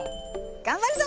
がんばるぞ！